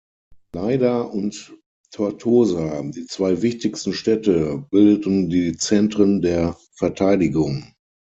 Lleida und Tortosa, die zwei wichtigsten Städte, bildeten die Zentren der Verteidigung.